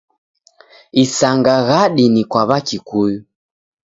Isanga ghadi ni kwa w'akikuyu.